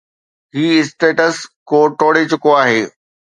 هي status ڪو ٽوڙي چڪو آهي.